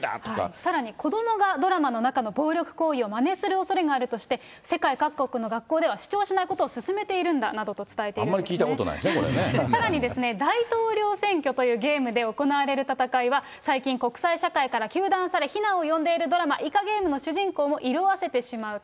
さらに子どもがドラマの中の暴力行為をまねするおそれがあるとして、世界各国の学校では視聴しないことを勧めているんだなどあまり聞いたことないですね、さらに、大統領選挙というゲームで行われる戦いは、最近、国際社会から糾弾され、非難を呼んでいるドラマ、イカゲームの主人公も色あせてしまうと。